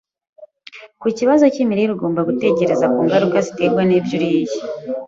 Ku kibazo cy’imirire, ugomba gutekereza ku ngaruka ziterwa n’ibyo uriye.